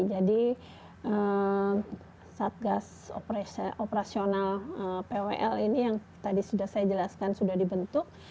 jadi satgas operasional pwl ini yang tadi sudah saya jelaskan sudah dibentuk